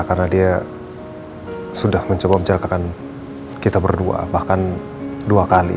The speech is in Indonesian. karena dia sudah mencoba mencelakakan kita berdua bahkan dua kali